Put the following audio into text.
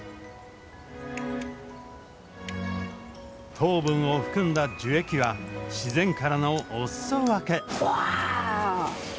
糖分を含んだ樹液は自然からのお裾分け。